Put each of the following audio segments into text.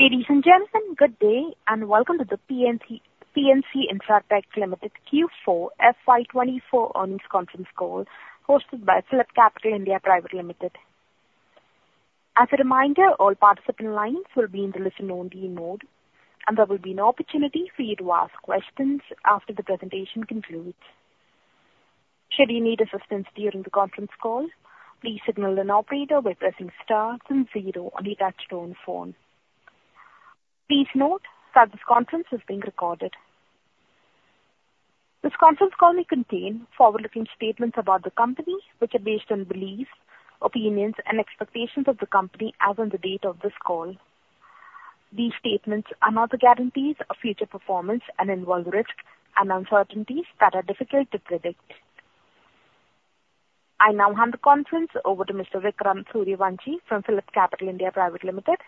Ladies and gentlemen, good day, and welcome to the PNC, PNC Infratech Limited Q4 FY 2024 earnings conference call, hosted by PhillipCapital India Private Limited. As a reminder, all participant lines will be in the listen-only mode, and there will be an opportunity for you to ask questions after the presentation concludes. Should you need assistance during the conference call, please signal an operator by pressing star then zero on your touchtone phone. Please note that this conference is being recorded. This conference call may contain forward-looking statements about the company, which are based on beliefs, opinions, and expectations of the company as on the date of this call. These statements are not guarantees of future performance and involve risks and uncertainties that are difficult to predict. I now hand the conference over to Mr. Vikram Suryavanshi from PhillipCapital India Private Limited.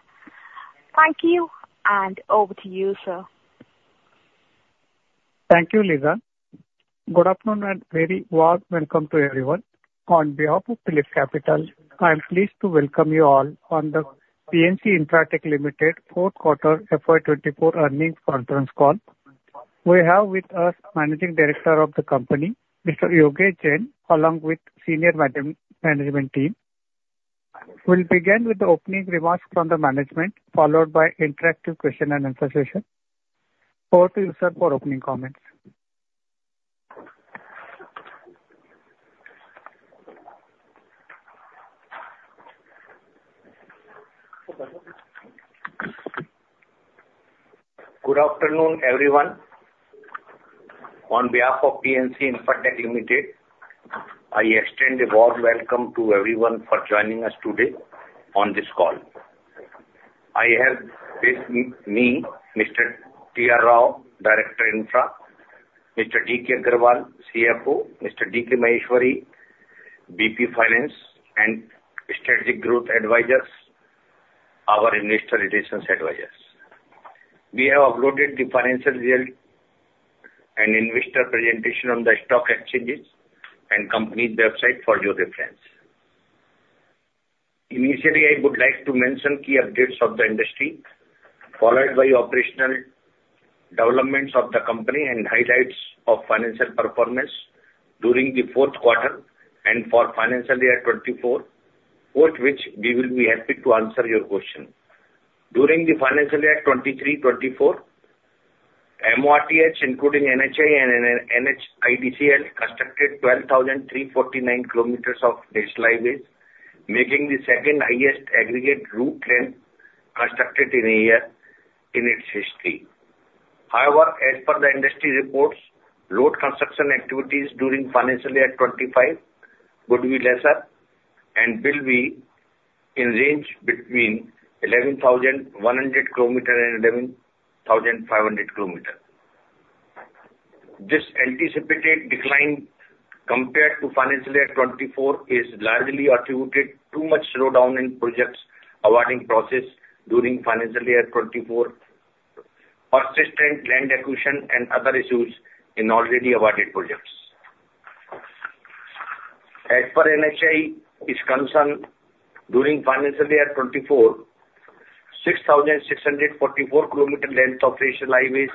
Thank you, and over to you, sir. Thank you, Lisa. Good afternoon, and very warm welcome to everyone. On behalf of PhillipCapital, I'm pleased to welcome you all on the PNC Infratech Limited fourth quarter FY 2024 earnings conference call. We have with us Managing Director of the company, Mr. Yogesh Jain, along with senior management team. We'll begin with the opening remarks from the management, followed by interactive question and answer session. Over to you, sir, for opening comments. Good afternoon, everyone. On behalf of PNC Infratech Limited, I extend a warm welcome to everyone for joining us today on this call. I have with me, Mr. T.R. Rao, Director, Infra, Mr. D.K. Agarwal, CFO, Mr. D.K. Maheshwari, VP, Finance, and Strategic Growth Advisors, our Investor Relations Advisors. We have uploaded the financial result and investor presentation on the stock exchanges and company website for your reference. Initially, I would like to mention key updates of the industry, followed by operational developments of the company and highlights of financial performance during the fourth quarter and for financial year 2024, post which we will be happy to answer your questions. During the financial year 2023-2024, MORTH, including NHAI and NHIDCL, constructed 12,349 km of national highways, making the second highest aggregate route length constructed in a year in its history. However, as per the industry reports, road construction activities during financial year 2025 would be lesser and will be in range between 11,100 km and 11,500 km. This anticipated decline compared to financial year 2024 is largely attributed to much slowdown in projects awarding process during financial year 2024, persistent land acquisition and other issues in already awarded projects. As per NHAI is concerned, during financial year 2024, 6,644 km length of national highways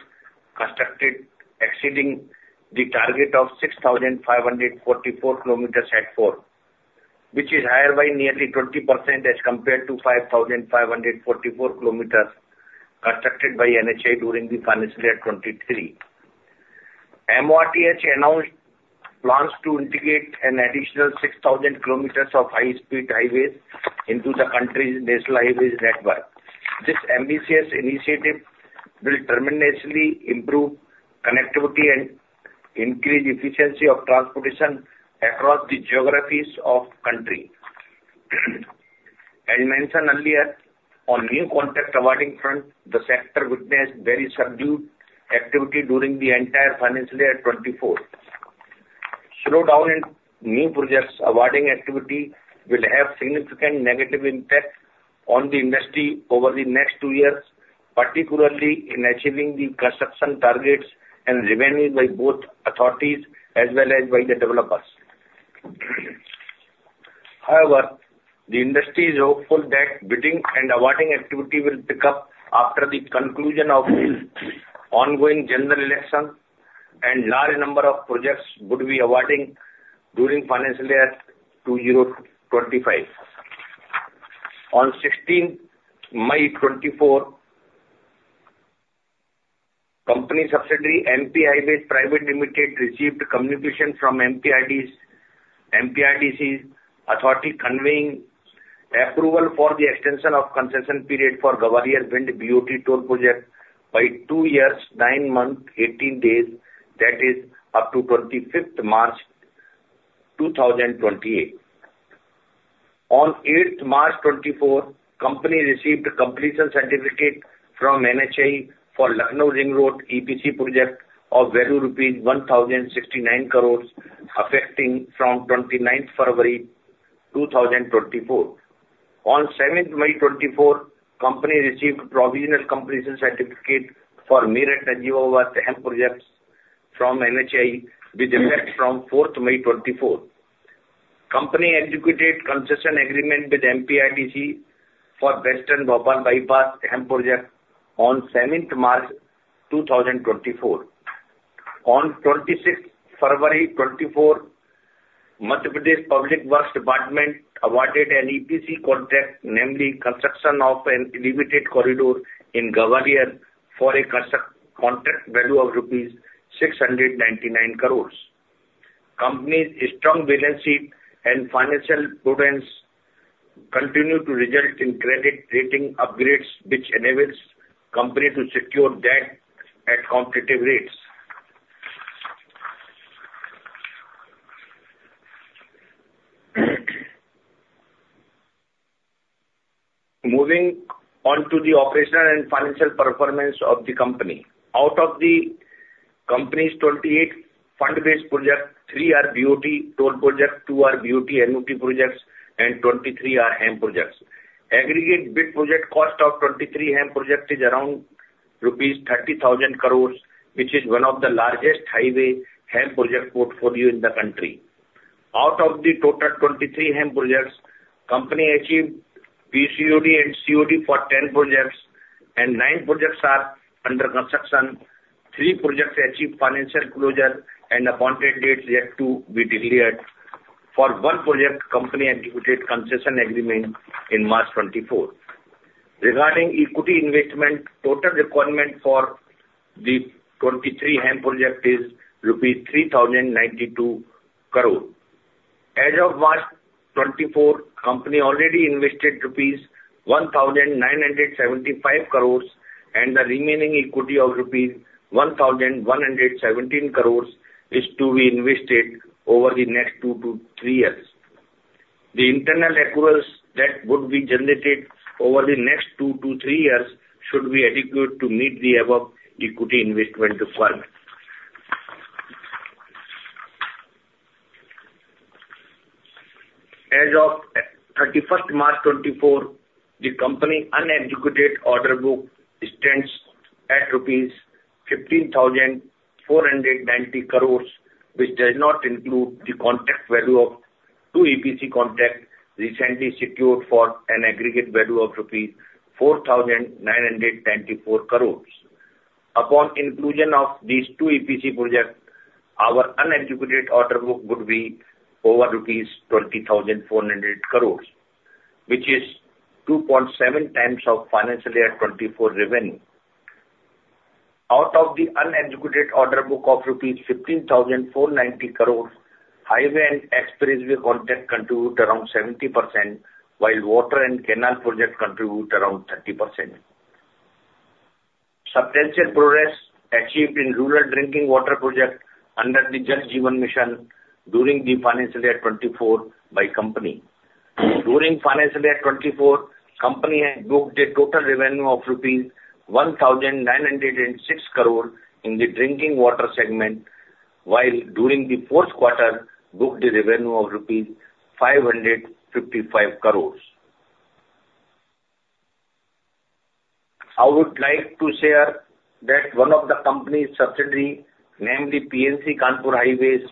constructed, exceeding the target of 6,544 km set forth, which is higher by nearly 20% as compared to 5,544 km constructed by NHAI during the financial year 2023. MORTH announced plans to integrate an additional 6,000 km of high-speed highways into the country's national highways network. This ambitious initiative will tremendously improve connectivity and increase efficiency of transportation across the geographies of country. As mentioned earlier, on new contract awarding front, the sector witnessed very subdued activity during the entire financial year 2024. Slowdown in new projects awarding activity will have significant negative impact on the industry over the next two years, particularly in achieving the construction targets and revenues by both authorities as well as by the developers. However, the industry is hopeful that bidding and awarding activity will pick up after the conclusion of the ongoing general election, and large number of projects would be awarding during financial year 2025. On 16 May 2024, company subsidiary, MP Highways Private Limited, received communication from MPRDC, MPRDC's authority, conveying approval for the extension of concession period for Gwalior-Bhind BOT toll project by two years, nine months, 18 days, that is, up to 25 March 2028. On 8 March 2024, company received a completion certificate from NHAI for Lucknow Ring Road EPC project of value rupees 1,069 crore, effective from 29 February 2024. On 7 May 2024, company received provisional completion certificate for Meerut-Najibabad HAM projects from NHAI, with effect from 4 May 2024. Company executed concession agreement with MPRDC for Western Bhopal Bypass HAM project on 7 March 2024. On 26 February 2024, Madhya Pradesh Public Works Department awarded an EPC contract, namely construction of an elevated corridor in Gwalior, for a construction contract value of rupees 699 crore. Company's strong balance sheet and financial prudence continue to result in credit rating upgrades, which enables company to secure debt at competitive rates. Moving on to the operational and financial performance of the company. Out of the company's 28 fund-based projects, three are BOT toll projects, two are BOT-Annuity projects, and 23 are HAM projects. Aggregate bid project cost of 23 HAM project is around INR 30,000 crore, which is one of the largest highway HAM project portfolio in the country. Out of the total 23 HAM projects, company achieved PCOD and COD for 10 projects, and nine projects are under construction. Three projects achieved financial closure, and appointed dates yet to be declared. For one project, company executed concession agreement in March 2024. Regarding equity investment, total requirement for the 23 HAM project is rupees 3,092 crore. As of March 2024, the company already invested rupees 1,975 crore, and the remaining equity of rupees 1,117 crore is to be invested over the next two-three years. The internal accruals that would be generated over the next two-three years should be adequate to meet the above equity investment requirement. As of 31st March 2024, the company unexecuted order book stands at rupees 15,490 crore, which does not include the contract value of two EPC contracts recently secured for an aggregate value of rupees 4,994 crore. Upon inclusion of these two EPC projects, our unexecuted order book would be over rupees 20,400 crore, which is 2.7x of financial year 2024 revenue. Out of the unexecuted order book of INR 15,490 crore, highway and expressway contract contribute around 70%, while water and canal projects contribute around 30%. Substantial progress achieved in rural drinking water project under the Jal Jeevan Mission during the financial year 2024 by company. During financial year 2024, company has booked a total revenue of rupees 1,906 crore in the drinking water segment, while during the fourth quarter, booked a revenue of rupees 555 crore. I would like to share that one of the company's subsidiary, namely PNC Kanpur Highways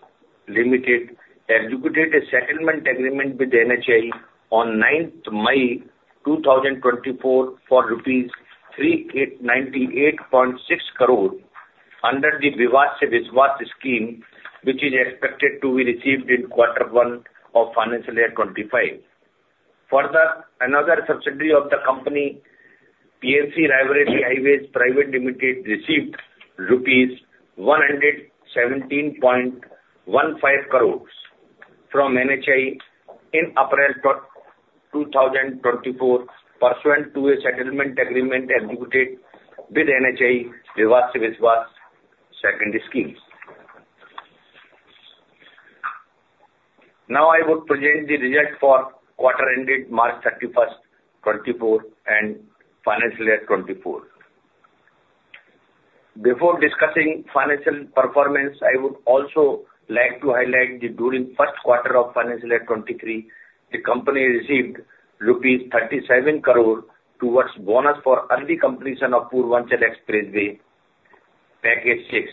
Limited, executed a settlement agreement with NHAI on ninth May 2024 for rupees 389.86 crore under the Vivad Se Vishwas Scheme, which is expected to be received in quarter one of financial year 2025. Further, another subsidiary of the company, PNC Raebareli Highways Private Limited, received rupees 117.15 crore from NHAI in April 2024, pursuant to a settlement agreement executed with NHAI Vivad Se Vishwas second scheme. Now I would present the result for quarter ended March 31st, 2024 and financial year 2024. Before discussing financial performance, I would also like to highlight that during first quarter of financial year 2023, the company received rupees 37 crore towards bonus for early completion of Purvanchal Expressway Package 6,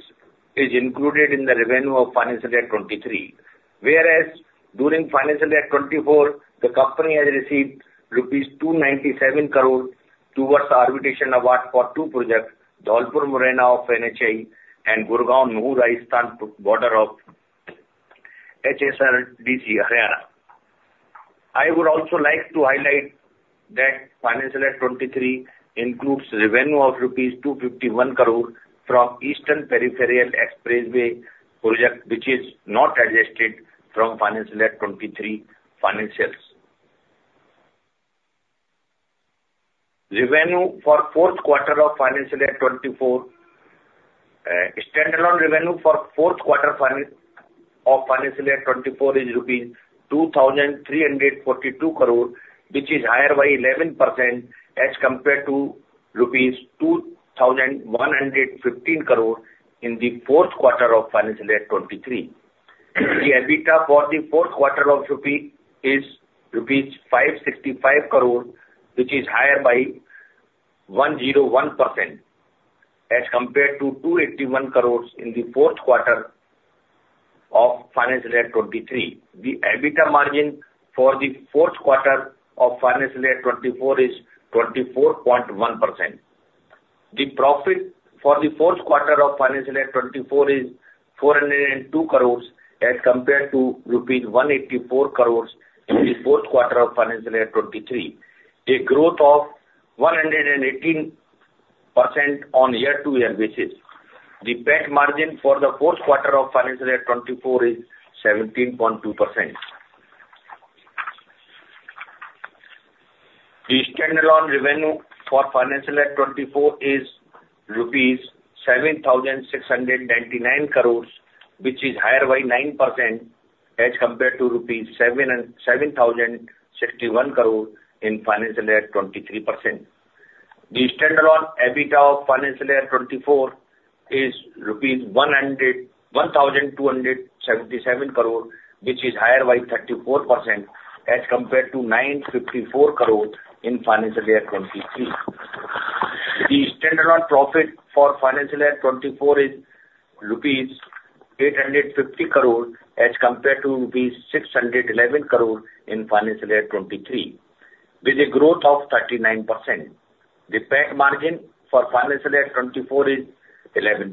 is included in the revenue of financial year 2023. Whereas, during financial year 2024, the company has received rupees 297 crore towards arbitration award for two projects, Dholpur-Morena of NHAI and Gurgaon-Nuh-Rajasthan border of HSRDC, Haryana. I would also like to highlight that financial year 2023 includes revenue of rupees 251 crore from Eastern Peripheral Expressway project, which is not adjusted from financial year 2023 financials. Standalone revenue for fourth quarter of financial year 2024 is rupees 2,342 crore, which is higher by 11% as compared to rupees 2,115 crore in the fourth quarter of financial year 2023. The EBITDA for the fourth quarter of financial year 2024 is rupees 565 crore, which is higher by 101%, as compared to 281 crore in the fourth quarter of financial year 2023. The EBITDA margin for the fourth quarter of financial year 2024 is 24.1%. The profit for the fourth quarter of financial year 2024 is 402 crore, as compared to rupees 184 crore in the fourth quarter of financial year 2023, a growth of 118% on year-over-year basis. The PAT margin for the fourth quarter of financial year 2024 is 17.2%. The standalone revenue for financial year 2024 is INR 7,699 crore, which is higher by 9% as compared to INR 7,061 crore in financial year 2023. The standalone EBITDA of financial year 2024 is rupees 1,277 crore, which is higher by 34% as compared to 954 crore in financial year 2023. The standalone profit for financial year 2024 is INR 850 crore, as compared to INR 611 crore in financial year 2023, with a growth of 39%. The PAT margin for financial year 2024 is 11%.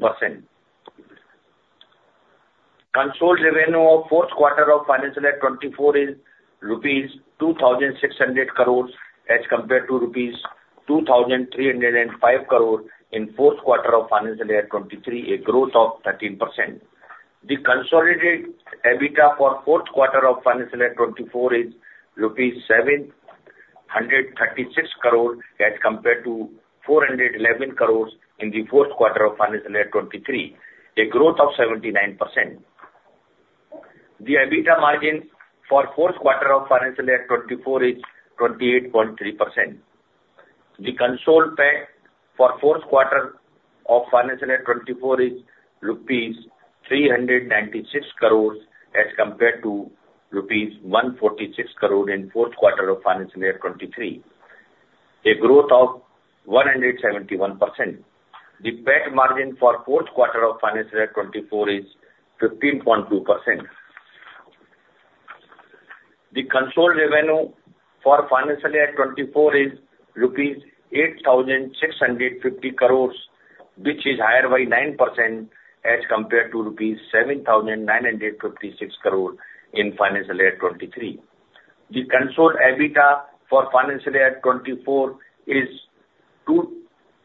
Consolidated revenue of fourth quarter of financial year 2024 is 2,600 crores, as compared to rupees 2,305 crore in fourth quarter of financial year 2023, a growth of 13%. The consolidated EBITDA for fourth quarter of financial year 2024 is rupees 736 crore as compared to 411 crores in the fourth quarter of financial year 2023, a growth of 79%. The EBITDA margin for fourth quarter of financial year 2024 is 28.3%. The consolidated PAT for fourth quarter of financial year 2024 is rupees 396 crore as compared to rupees 146 crore in fourth quarter of financial year 2023, a growth of 171%. The PAT margin for fourth quarter of financial year 2024 is 15.2%. The consolidated revenue for financial year 2024 is rupees 8,650 crore, which is higher by 9% as compared to rupees 7,956 crore in financial year 2023. The consolidated EBITDA for financial year 2024 is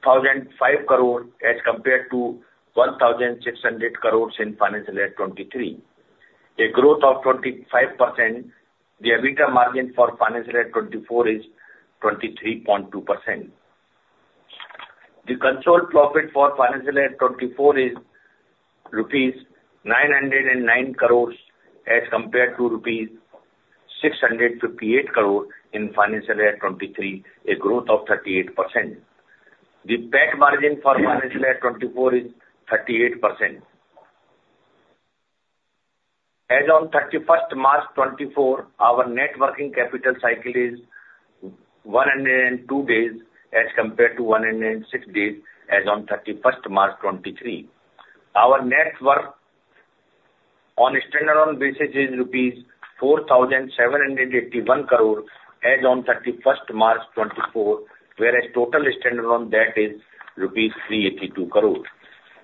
2,005 crore as compared to 1,600 crore in financial year 2023, a growth of 25%. The EBITDA margin for financial year 2024 is 23.2%. The consolidated profit for financial year 2024 is rupees 909 crore as compared to rupees 658 crore in financial year 2023, a growth of 38%. The PAT margin for financial year 2024 is 38%. As on 31st March 2024, our net working capital cycle is 102 days, as compared to 106 days as on 31st March 2023. Our net worth on a standalone basis is INR 4,781 crore as on 31st March 2024, whereas total standalone debt is INR 382 crore.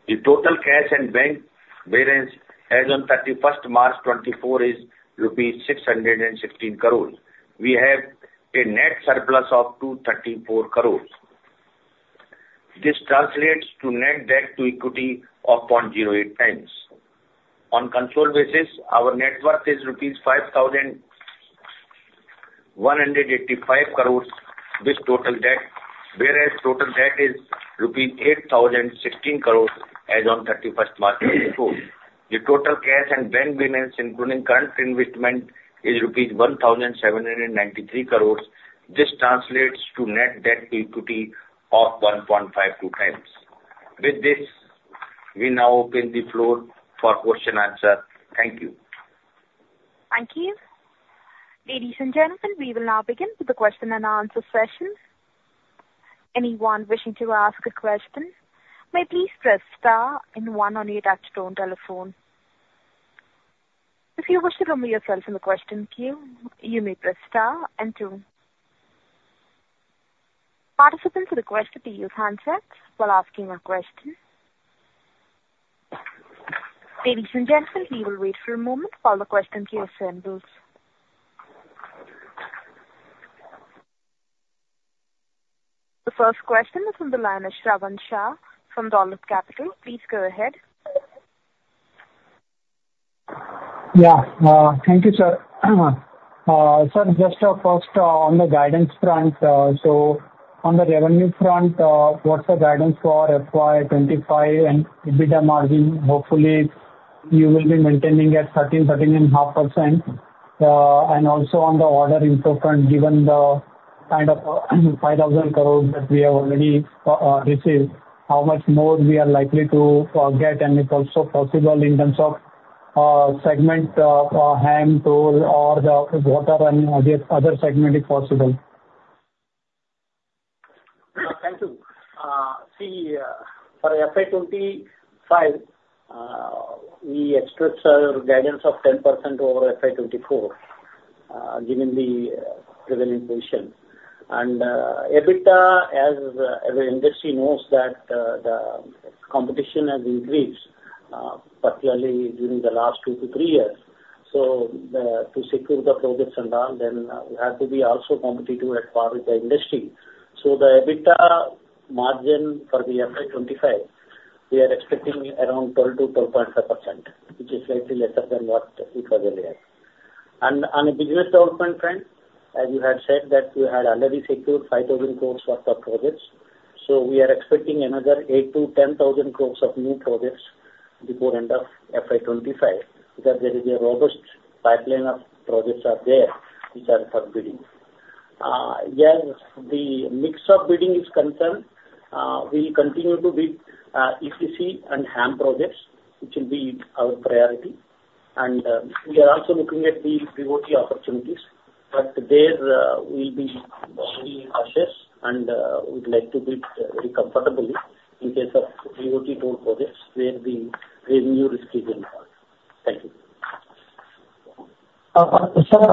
The total cash and bank balance as on 31st March 2024 is rupees 616 crore. We have a net surplus of 234 crore. This translates to net debt to equity of 0.08x. On consolidated basis, our net worth is rupees 5,185 crore with total debt, whereas total debt is rupees 8,016 crore as on 31st March 2024. The total cash and bank balance, including current investment, is INR 1,793 crore. This translates to net debt equity of 1.52x. With this, we now open the floor for question answer. Thank you. Thank you. Ladies and gentlemen, we will now begin with the question-and-answer session. Anyone wishing to ask a question may please press star and one on your touch-tone telephone. If you wish to remove yourself from the question queue, you may press star and two. Participants are requested to use handsets while asking a question. Ladies and gentlemen, we will wait for a moment while the question queue assembles. The first question is from the line of Shravan Shah from Dolat Capital. Please go ahead. Yeah. Thank you, sir. Sir, just first, on the guidance front, so on the revenue front, what's the guidance for FY 2025 and EBITDA margin? Hopefully, you will be maintaining at 13%-13.5%. And also on the order inflow front, given the kind of 5,000 crore that we have already received, how much more we are likely to get, and it's also possible in terms of segment, HAM, toll or the water and the other segment, if possible. Thank you. See, for FY 2025, we expressed our guidance of 10% over FY 2024, given the prevailing position. And, EBITDA, as every industry knows, that, the competition has increased, particularly during the last two to three years. So, to secure the projects and all, then we have to be also competitive at par with the industry. So the EBITDA margin for the FY 2025, we are expecting around 12%-12.5%, which is slightly lesser than what it was earlier. And on a business development front, as you had said, that we had already secured 5,000 crore worth of projects, so we are expecting another 8,000 crore-10,000 crore of new projects before end of FY 2025, because there is a robust pipeline of projects are there which are for bidding. Yes, the mix of bidding is concerned, we continue to bid EPC and HAM projects, which will be our priority, and we are also looking at the BOT opportunities, but there, we'll be very cautious and we'd like to bid very comfortably in case of BOT toll projects where the revenue risk is involved. Thank you. Sir,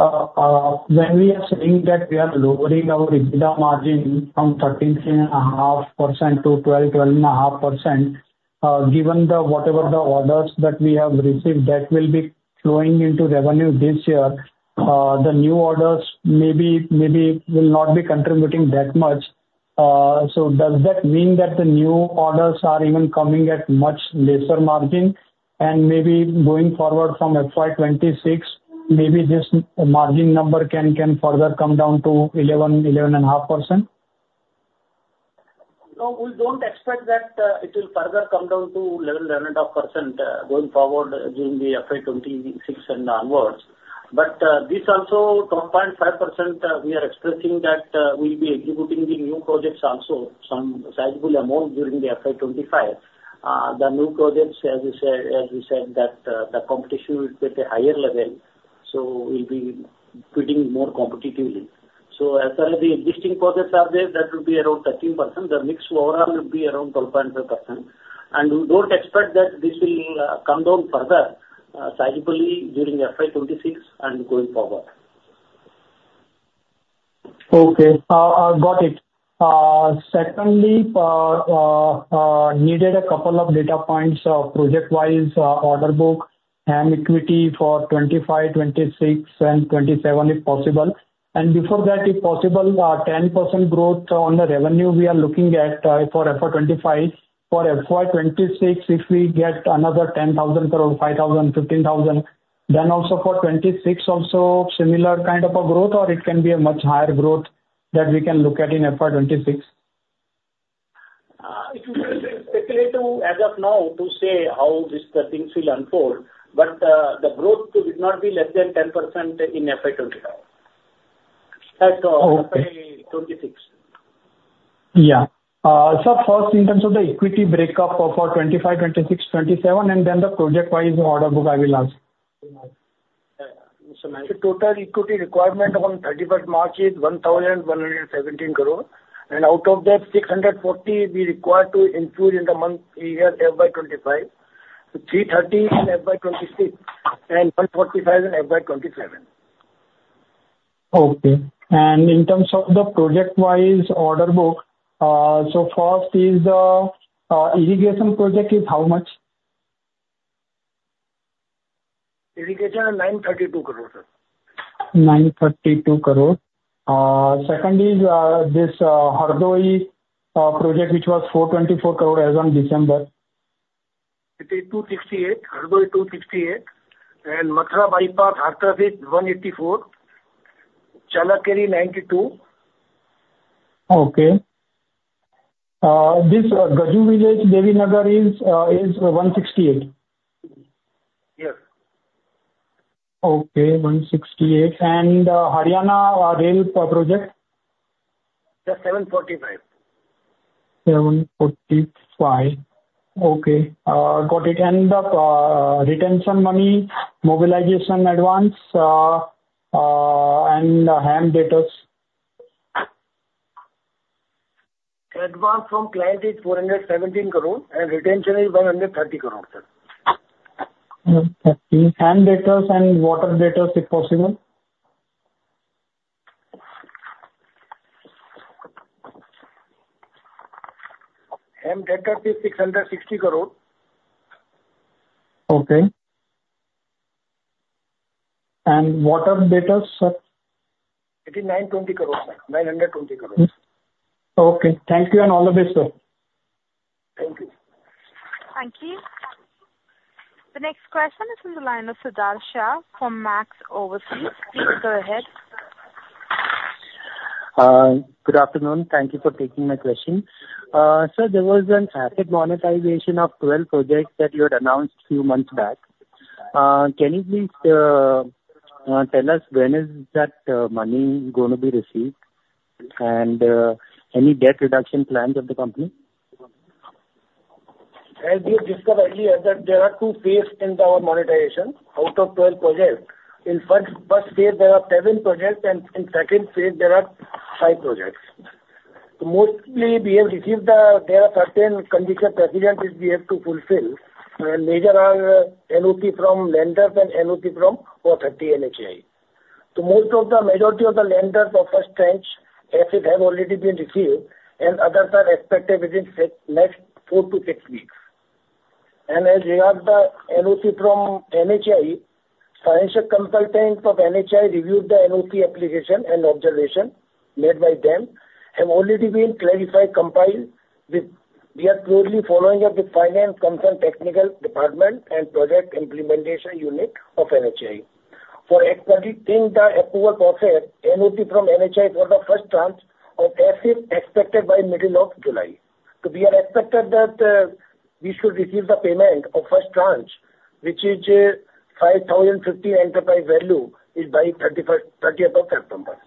when we are saying that we are lowering our EBITDA margin from 13.5% to 12%-12.5%, given the whatever the orders that we have received that will be flowing into revenue this year, the new orders may be, maybe will not be contributing that much. So does that mean that the new orders are even coming at much lesser margin? And maybe going forward from FY 2026, maybe this margin number can, can further come down to 11%-11.5%? No, we don't expect that, it will further come down to 11%-11.5%, going forward during the FY 2026 and onwards. But, this also, 12.5%, we are expressing that, we'll be executing the new projects also, some sizable amount during the FY 2025. The new projects, as we said, as we said, that, the competition will be at a higher level, so we'll be bidding more competitively. So as far as the existing projects are there, that will be around 13%. The mix overall will be around 12.5%, and we don't expect that this will, come down further, significantly during FY 2026 and going forward. Okay. I've got it. Secondly, needed a couple of data points, project-wise, order book and equity for 2025, 2026 and 2027, if possible. And before that, if possible, 10% growth on the revenue we are looking at, for FY 2025. For FY 2026, if we get another 10,000 crore, 5,000 crore, 15,000 crore, then also for 2026, also similar kind of a growth, or it can be a much higher growth that we can look at in FY 2026? It is speculative as of now to say how these things will unfold, but the growth should not be less than 10% in FY 2025... FY 2026. Yeah. So first, in terms of the equity breakup for 2025, 2026, 2027, and then the project-wise order book I will ask. The total equity requirement on 31st March is 1,117 crore, and out of that, 640 we require to infuse in the month year FY 2025, 330 in FY 2026, and 145 in FY 2027. Okay. In terms of the project-wise order book, so first is the irrigation project is how much? Irrigation, 932 crore, sir. 932 crore. Second is this Hardoi project, which was 424 crore as on December. It is 268, Hardoi 268, and Mathura Bypass traffic, 184. Challakere, 92. Okay. This Gajraula-Devinagar is 168? Yes. Okay, 168. And, Haryana, rail project? That's 7:45. 7:45. Okay, got it. And the retention money, mobilization advance, and HAM debtors? Advance from client is 417 crore, and retention is 130 crore, sir. Okay. HAM debtors and water debtors, if possible. HAM debt is INR 660 crore. Okay. And water debtors, sir? It is 920 crore, sir. 920 crore. Okay. Thank you and all the best, sir. Thank you. Thank you. The next question is from the line of Sudarshan from Max Overseas. Please go ahead. Good afternoon. Thank you for taking my question. Sir, there was an asset monetization of 12 projects that you had announced few months back. Can you please tell us when is that money going to be received? And any debt reduction plans of the company? ...As we have discussed earlier, that there are two phases in our monetization out of 12 projects. In first phase, there are seven projects, and in second phase, there are five projects. Mostly, we have received the. There are certain condition precedent which we have to fulfill, and major are NOC from lenders and NOC from authority NHAI. So most of the majority of the lenders of first tranche assets have already been received, and others are expected within next four-six weeks. And as regards the NOC from NHAI, financial consultants of NHAI reviewed the NOC application and observation made by them have already been clarified, complied with. We are closely following up with finance consultant technical department and project implementation unit of NHAI. For the approval process, NOC from NHAI for the first tranche of assets expected by middle of July. We are expected that we should receive the payment of first tranche, which is 5,050 enterprise value, by 31st, 30th of September.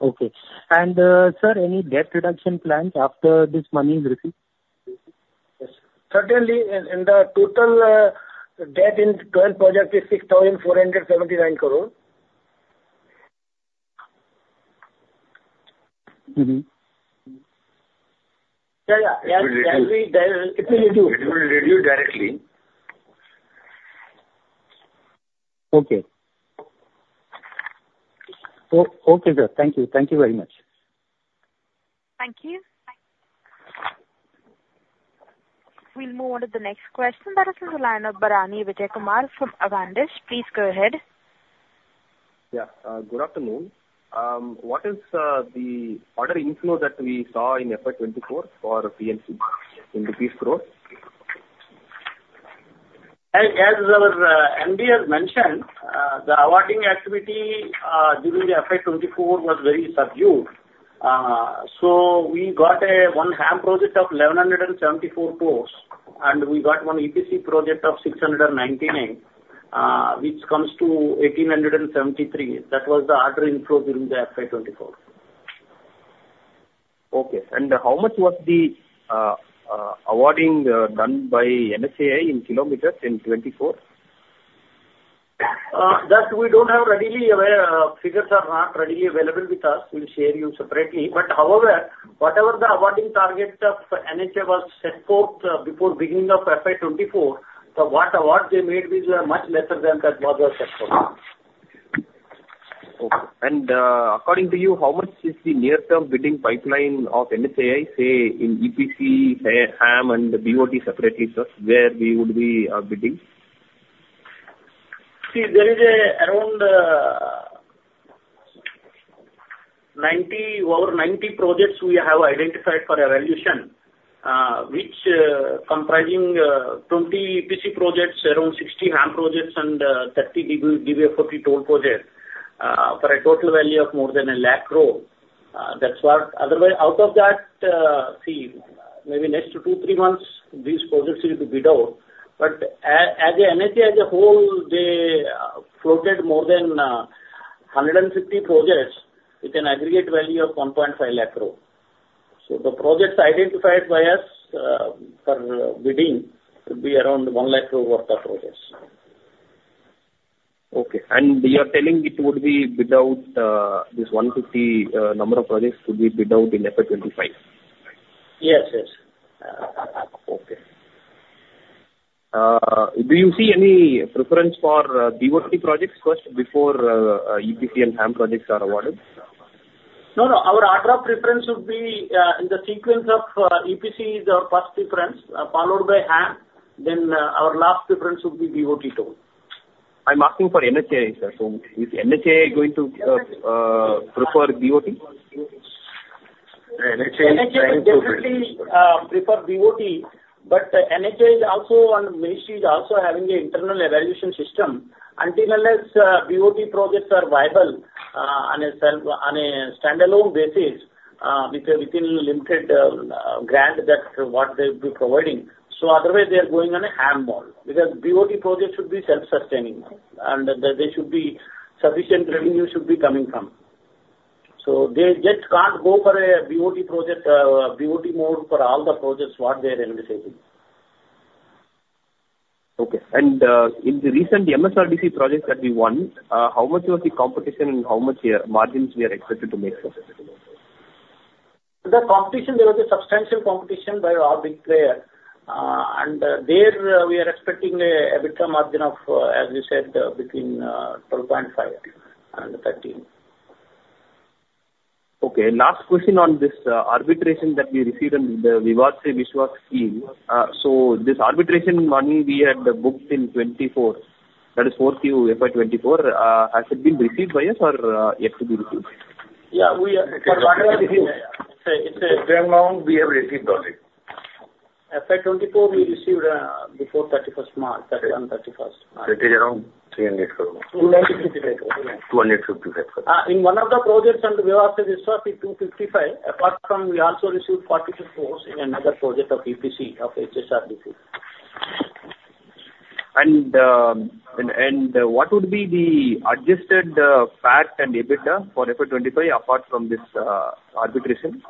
Okay. And, sir, any debt reduction plans after this money is received? Yes. Certainly, in the total debt in current project is INR 6,479 crore. Mm-hmm. Yeah, yeah. It will reduce. It will reduce. It will reduce directly. Okay, sir. Thank you. Thank you very much. Thank you. We'll move on to the next question that is from the line of Bharani Vijayakumar from Avendus. Please go ahead. Yeah, good afternoon. What is the order inflow that we saw in FY 2024 for PNC in INR crore? As our MD has mentioned, the awarding activity during the FY 2024 was very subdued. So we got one HAM project of 1,174 crore, and we got one EPC project of 699 crore, which comes to 1,873 crore. That was the order inflow during the FY 2024. Okay. How much was the awarding done by NHAI in kilometers in 2024? That we don't have readily available, figures are not readily available with us. We'll share you separately. However, whatever the awarding target of NHAI was set forth before beginning of FY 2024, so what awards they made is much lesser than that was set forth. Okay. And, according to you, how much is the near-term bidding pipeline of NHAI, say, in EPC, say, HAM and BOT separately, sir, where we would be bidding? See, there is around 90, over 90 projects we have identified for evaluation, which comprising 20 EPC projects, around 60 HAM projects, and 30 DB, DBFOT toll projects, for a total value of more than 100,000 crore. That's what... Otherwise, out of that, see, maybe next two, three months, these projects need to bid out. But as NHAI as a whole, they floated more than 150 projects with an aggregate value of 150,000 crore. So the projects identified by us for bidding should be around 100,000 crore worth of projects. Okay. You are telling it would be bid out, this 150 number of projects to be bid out in FY 2025, right? Yes. Yes. Okay. Do you see any preference for BOT projects first before EPC and HAM projects are awarded? No, no. Our order of preference would be in the sequence of EPC is our first preference, followed by HAM, then our last preference would be BOT toll. I'm asking for NHAI, sir. So is NHAI going to prefer BOT? NHAI definitely prefer BOT, but NHAI is also on, ministry is also having an internal evaluation system. Until unless BOT projects are viable on a self, on a standalone basis with within limited grant, that's what they'll be providing. So otherwise they are going on a HAM model, because BOT projects should be self-sustaining, and that they should be... Sufficient revenue should be coming from. So they just can't go for a BOT project BOT mode for all the projects what they are anticipating. Okay. And, in the recent MSRDC projects that we won, how much was the competition and how much margins we are expected to make for specific projects? The competition, there was substantial competition by all big player, and we are expecting an EBITDA margin of, as we said, between 12.5 and 13. Okay, last question on this, arbitration that we received in the Vivad Se Vishwas scheme. So this arbitration money we had booked in 2024, that is Q4, FY 2024, has it been received by us or yet to be received? Yeah, we are- Till now, we have received all it. FY 2024, we received, before 31st March, 31, 31st March. It is around INR 300 crore. INR 295 crore. INR 255 crore. In one of the projects under Vivad Se Vishwas is INR 255 crore. Apart from we also received INR 42 crore in another project of EPC of HSRDC.... what would be the adjusted PAT and EBITDA for FY 2025 apart from this arbitration?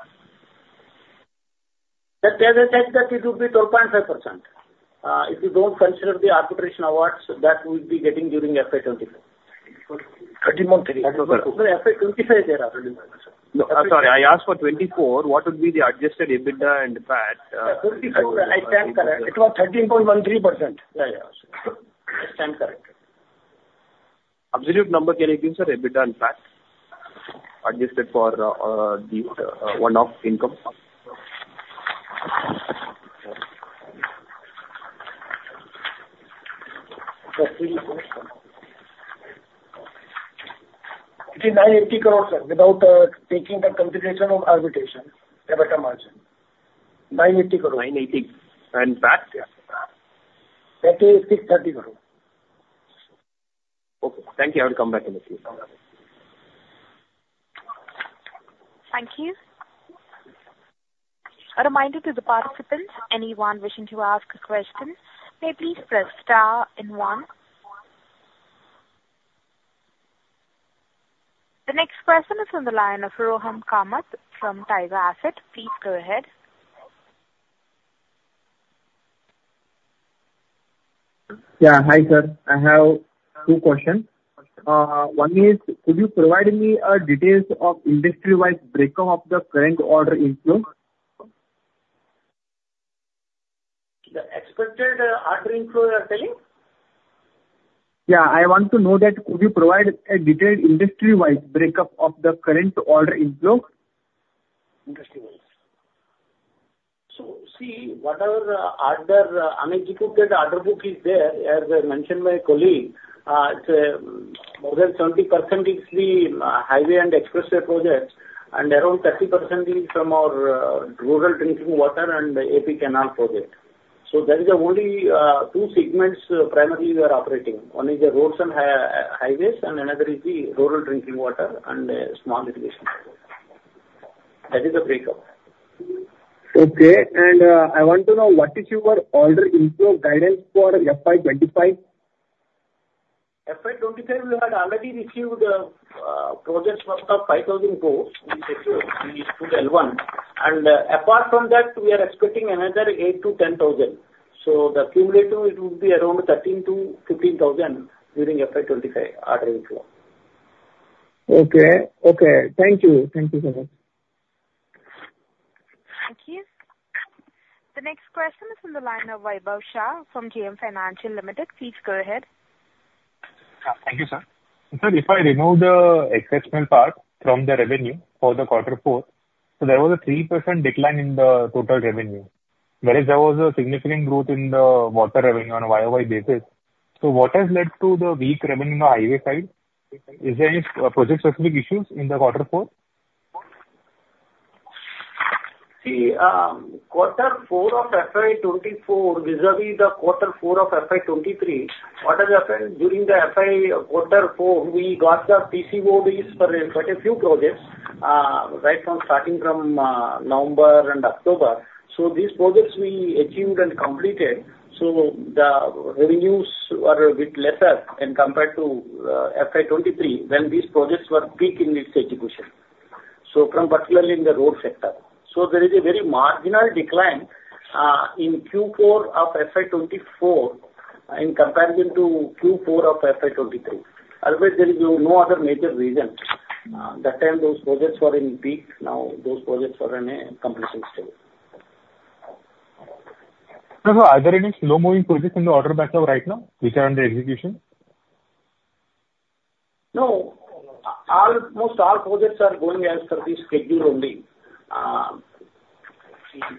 That there is a chance that it will be 12.5%. If you don't consider the arbitration awards that we'll be getting during FY 2025. 13.3. No, FY 2025, sir. No, I'm sorry. I asked for 24. What would be the adjusted EBITDA and PAT? 24, I stand corrected. It was 13.13%. Yeah, yeah. I stand corrected. Absolute number can you give, sir, EBITDA and PAT, adjusted for the one-off income? It is 980 crores, sir, without taking the consideration of arbitration, EBITDA margin. 980 crore. 980. And PAT? That is 630 crore. Okay, thank you. I will come back to you. Thank you. A reminder to the participants, anyone wishing to ask a question, may please press star and one. The next question is on the line of Rohan Kamath from Tiger Assets. Please go ahead. Yeah. Hi, sir. I have two questions. One is, could you provide me details of industry-wide breakup of the current order inflow? The expected order inflow, you are telling? Yeah, I want to know that could you provide a detailed industry-wide breakup of the current order inflow? Interesting. So, see, whatever order, unexecuted order book is there, as mentioned by colleague, it's more than 70% is the highway and expressway projects, and around 30% is from our rural drinking water and AP canal project. So that is the only two segments primarily we are operating. One is the roads and highways, and another is the rural drinking water and small irrigation. That is the breakup. Okay. And, I want to know, what is your order inflow guidance for FY 2025? FY 2025, we had already received projects worth 5,000 crore. Apart from that, we are expecting another 8,000-10,000 crore. So the cumulative, it would be around 13,000-15,000 crore during FY 2025 order inflow. Okay. Okay. Thank you. Thank you so much. Thank you. The next question is on the line of Vaibhav Shah from JM Financial Limited. Please go ahead. Yeah, thank you, sir. Sir, if I remove the exceptional part from the revenue for the quarter four, so there was a 3% decline in the total revenue. Whereas there was a significant growth in the water revenue on a YOY basis. So what has led to the weak revenue on the highway side? Is there any project-specific issues in the quarter four? See, quarter four of FY 2024, vis-a-vis the quarter four of FY 2023, what has happened during the FY quarter four, we got the PCODs for quite a few projects, right from starting from November and October. So these projects we achieved and completed, so the revenues were a bit lesser in compared to FY 2023, when these projects were peak in its execution. So from particularly in the road sector. So there is a very marginal decline in Q4 of FY 2024 in comparison to Q4 of FY 2023. Otherwise, there is no other major reason. That time those projects were in peak, now those projects are in a completion stage. Are there any slow-moving projects in the order backlog right now, which are under execution? No. All, most all projects are going as per the schedule only.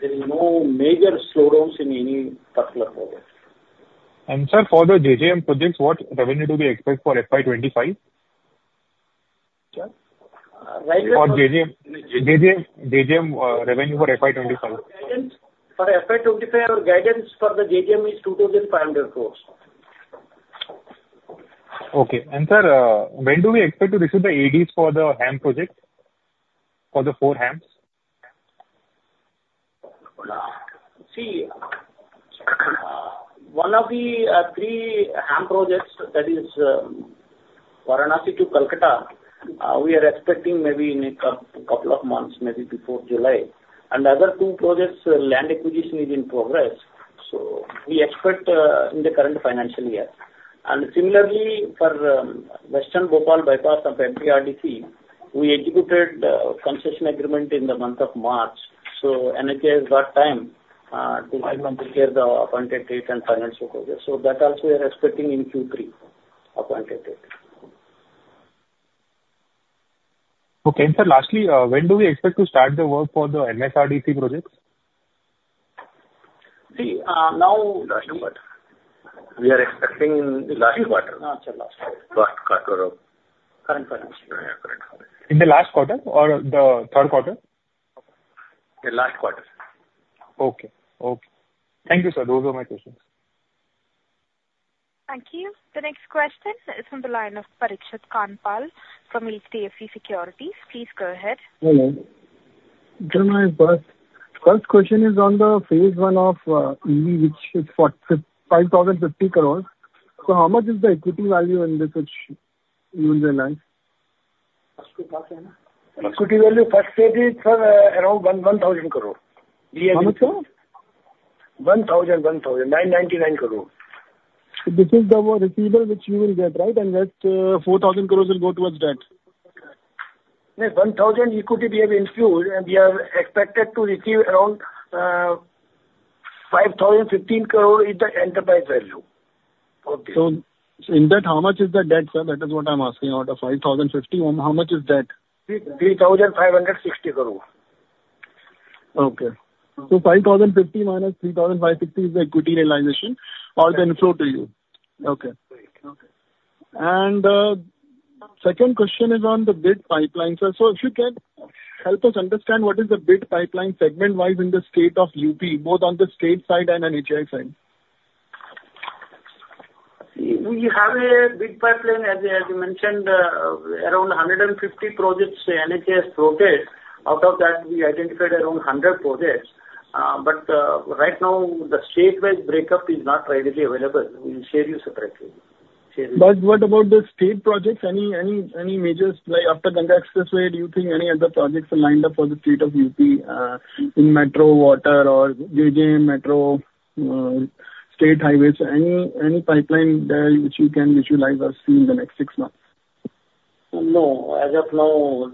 There is no major slowdowns in any particular project. Sir, for the JJM projects, what revenue do we expect for FY 2025? Sir? For JJM, JJM, revenue for FY 2025. For FY 2025, our guidance for the JJM is 2,500 crore. Okay. And sir, when do we expect to receive the ADs for the HAM projects, for the four HAMs? See, one of the three HAM projects that is Varanasi to Kolkata, we are expecting maybe in a couple of months, maybe before July. And the other two projects, land acquisition is in progress, so we expect in the current financial year. And similarly, for Western Bhopal Bypass of MPRDC, we executed the concession agreement in the month of March. So NHAI has got time to final prepare the appointed date and finance over there. So that also we are expecting in Q3, appointed date. Okay. And sir, lastly, when do we expect to start the work for the MSRDC projects? See, now- Last quarter. We are expecting in the last quarter. Sir, last quarter. First quarter of... Current financial year. Yeah, current financial year. In the last quarter or the third quarter? The last quarter. Okay. Okay. Thank you, sir. Those are my questions. Thank you. The next question is from the line of Parikshit Kandpal from HDFC Securities. Please go ahead. Hello?... No, no, first, first question is on the phase one of, which is what, 5,050 crores. So how much is the equity value in this, which you will realize? Equity value, first stage is around 1,100 crore. How much, sir? 1,000, 1,000. 999 crore. This is the receivable which you will get, right? And that, 4,000 crore will go towards debt. Yes, 1,000 equity we have ensured, and we are expected to receive around 5,015 crore is the enterprise value. Okay. In that, how much is the debt, sir? That is what I'm asking. Out of 5,050, how much is debt? 3,560 crore. Okay. So 5,050 minus 3,560 is the equity realization or the inflow to you? Okay. Okay. And, second question is on the bid pipeline, sir. So if you can help us understand what is the bid pipeline segment-wise in the state of UP, both on the state side and NHAI side? We have a big pipeline, as you mentioned, around 150 projects NHAI has floated. Out of that, we identified around 100 projects. But right now, the statewide breakup is not readily available. We will share you separately. Share you- But what about the state projects? Any major, like, after Ganga Expressway, do you think any other projects are lined up for the state of UP, in metro, water, or Jal Jeevan Mission metro, state highways, any pipeline there which you can let us see in the next six months? No, as of now,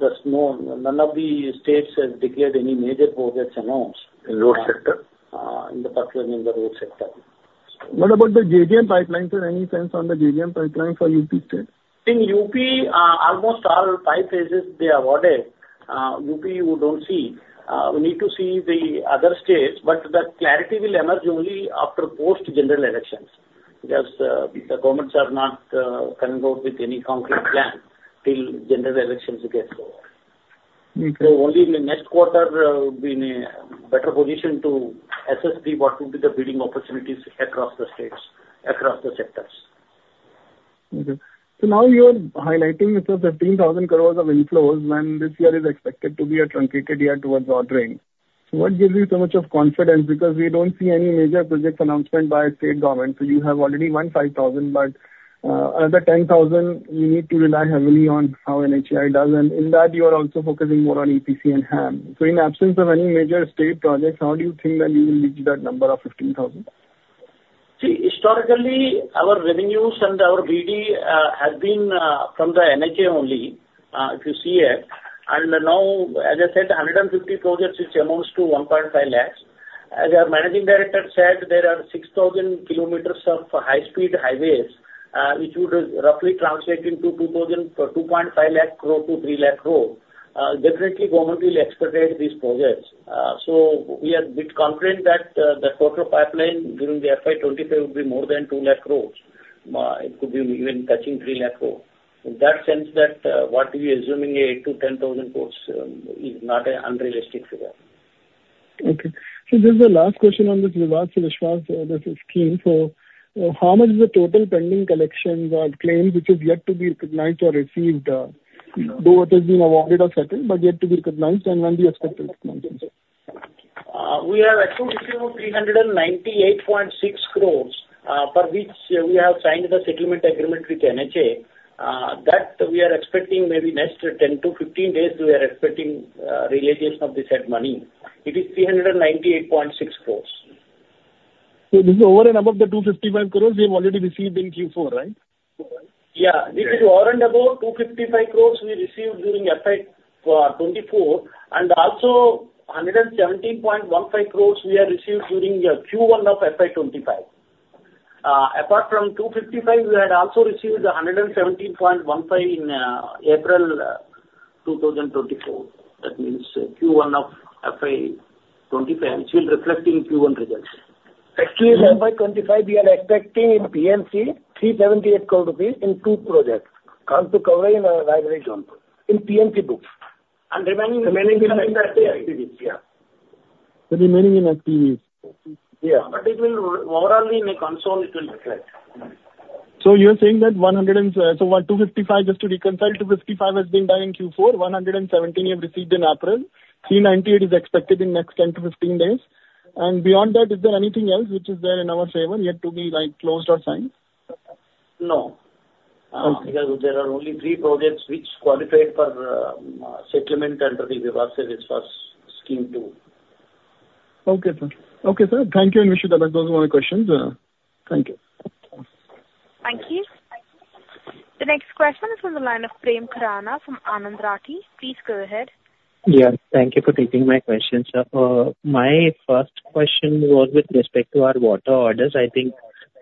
none of the states has declared any major projects announced. In road sector. In the particularly in the road sector. What about the JGN pipeline, sir? Any sense on the JGN pipeline for UP state? In UP, almost all five phases they awarded, UP you don't see. We need to see the other states, but the clarity will emerge only after post-general elections. Because, the governments are not, coming out with any concrete plan till general elections get over. Okay. Only in the next quarter, we'll be in a better position to assess what would be the bidding opportunities across the states, across the sectors. Okay. So now you are highlighting it's 15,000 crore of inflows, when this year is expected to be a truncated year towards ordering. So what gives you so much of confidence? Because we don't see any major project announcement by state government. So you have already won 5,000 crore, but another 10,000 crore, we need to rely heavily on how NHAI does, and in that, you are also focusing more on EPC and HAM. So in absence of any major state projects, how do you think that you will reach that number of 15,000 crore? See, historically, our revenues and our BD has been from the NHAI only, if you see it. Now, as I said, 150 projects amounts to 1.5 lakh. As our managing director said, there are 6,000 kilometers of high-speed highways, which would roughly translate into 2,000, 2.5 lakh crore to 3 lakh crore. Definitely government will expedite these projects. We are bit confident that the total pipeline during the FY 2025 will be more than 200,000 crore. It could be even touching 300,000 crore. In that sense, that, what we assuming, 8,000-10,000 crore is not an unrealistic figure. Okay. So this is the last question on this Vivad Se Vishwas, this scheme. So, how much is the total pending collections or claims which is yet to be recognized or received, though it has been awarded or settled, but yet to be recognized and when we expect to recognize it? We are actually 398.6 crores, for which we have signed the settlement agreement with NHAI. That we are expecting maybe next 10-15 days, we are expecting releases of the said money. It is 398.6 crores. This is over and above the 255 crore we have already received in Q4, right? Yeah. Okay. This is over and above 255 crore we received during FY 2024, and also 117.15 crore we have received during Q1 of FY 2025. Apart from 255, we had also received 117.15 crore in April 2024. That means Q1 of FY 2025, which will reflect in Q1 results. Actually, in FY 2025, we are expecting in PNC, 378 crore rupees in two projects, Kanpur-Kabrai and Raebareli-Jaunpur, in PNC books. Remaining in activities, yeah. The remaining in activities. Yeah, but it will Morena in an annuity, it will reflect. So you are saying that 100 and, so 255, just to reconcile, 255 has been done in Q4, 117 you have received in April, 398 is expected in next 10-15 days. And beyond that, is there anything else which is there in our favor yet to be, like, closed or signed? No. Okay. Because there are only three projects which qualify for settlement under the Vivad Se Vishwas scheme two. Okay, sir. Okay, sir, thank you and wish you the best. Those are my questions. Thank you. Thank you. The next question is from the line of Prem Khurana from Anand Rathi. Please go ahead. Yeah, thank you for taking my question, sir. My first question was with respect to our water orders. I think,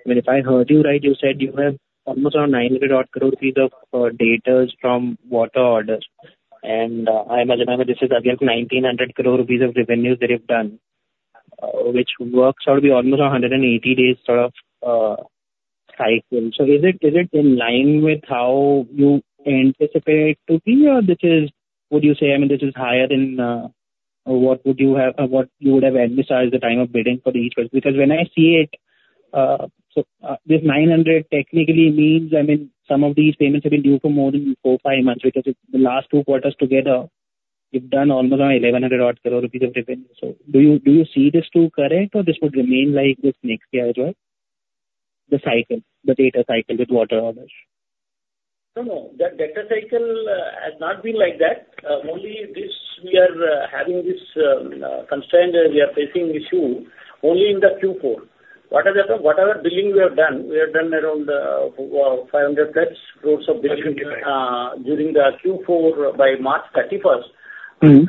I mean, if I heard you right, you said you have almost around 900 crore rupees of debtors from water orders. And I imagine that this is against 1,900 crore rupees of revenues that you've done, which works out to be almost 180 days sort of cycle. So is it in line with how you anticipate it to be, or this is, would you say, I mean, this is higher than what would you have, or what you would have envisaged the time of bidding for the orders? Because when I see it, so this 900 crore technically means, I mean, some of these payments have been due for more than 4-5 months, because it's the last two quarters together, you've done almost 1,100 crore rupees of revenue. So do you, do you see this to correct, or this would remain like this next year as well? The cycle, the data cycle with water orders. No, no, that data cycle has not been like that. Only this, we are having this constraint and we are facing issue only in the Q4. What are the, what our billing we have done, we have done around 500 crore of billing during the Q4 by March thirty-first. Mm-hmm.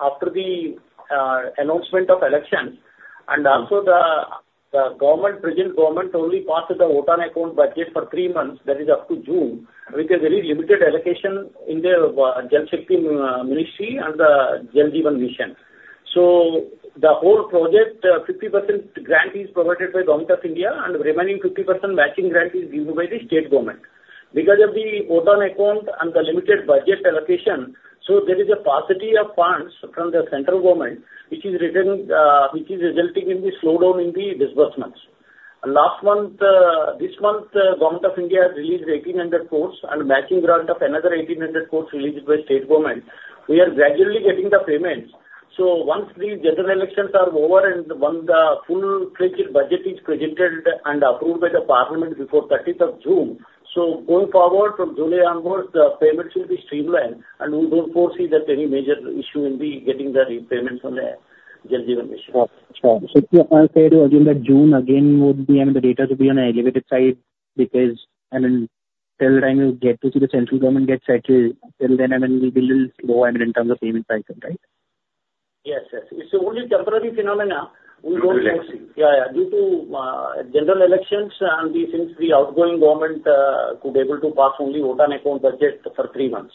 After the announcement of election, and also the present government only passed the vote on account budget for three months, that is up to June, with a very limited allocation in the Jal Shakti ministry and the Jal Jeevan Mission. So the whole project, 50% grant is provided by Government of India, and remaining 50% matching grant is given by the state government. Because of the vote on account and the limited budget allocation, so there is a paucity of funds from the central government, which is resulting in the slowdown in the disbursements. Last month, this month, Government of India released 1,800 crore, and matching grant of another 1,800 crore released by state government. We are gradually getting the payments, so once these general elections are over and once the full budget is presented and approved by the Parliament before thirtieth of June, so going forward, from July onwards, the payments will be streamlined, and we don't foresee that any major issue will be getting the payments from the Jal Jeevan Mission. Sure, sure. So if I said, again, that June again would be, I mean, the data would be on an elevated side, because, I mean, till the time you get to see the central government get settled, till then, I mean, it will be a little slow, I mean, in terms of payment cycle, right? Yes, yes. It's only temporary phenomena. We don't foresee- Election. Yeah, yeah, due to general elections and the, since the outgoing government could able to pass only vote-on-account budget for three months.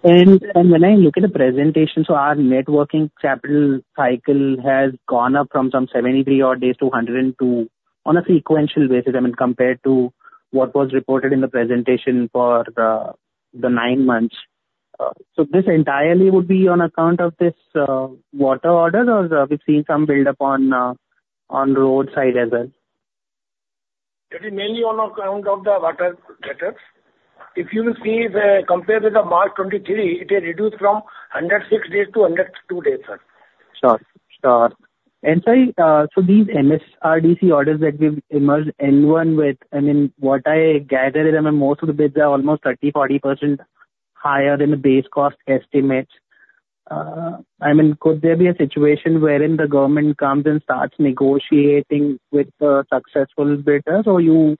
When I look at the presentation, so our net working capital cycle has gone up from some 73 odd days to 102 on a sequential basis, I mean, compared to what was reported in the presentation for the nine months. So this entirely would be on account of this water order, or are we seeing some buildup on the road side as well? It is mainly on account of the water debtors. If you will see the, compared with the March 2023, it has reduced from 106 days to 102 days, sir. Sure, sure. And sorry, so these MSRDC orders that we've emerged N1 with, I mean, what I gather is, I mean, most of the bids are almost 30%-40% higher than the base cost estimates. I mean, could there be a situation wherein the government comes and starts negotiating with the successful bidders, or you